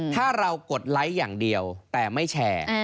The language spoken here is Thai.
ถ้าเรากดไลค์อย่างเดียวแต่ไม่แชร์